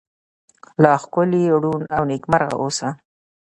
لا ښکلې، ړون، او نکيمرغه اوسه👏